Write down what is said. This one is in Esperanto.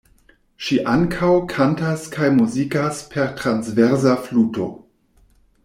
Ŝi ankaŭ kantas kaj muzikas per transversa fluto.